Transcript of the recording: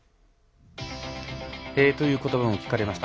ということばも聞かれました。